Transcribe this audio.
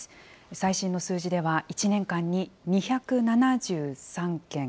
最新の数字では、１年間に２７３件。